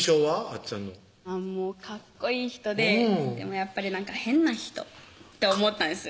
あっちゃんのかっこいい人ででもやっぱり変な人って思ったんです